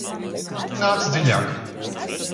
Nāc dziļāk!